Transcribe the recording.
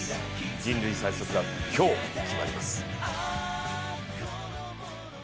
人類最速が今日決まります。